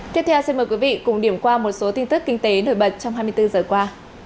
tiếp theo xin mời quý vị cùng điểm qua một số tin tức kinh tế nổi bật trong hai mươi bốn giờ qua